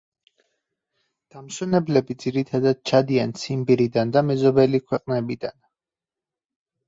დამსვენებლები ძირითადად ჩადიან ციმბირიდან და მეზობელი ქვეყნებიდან.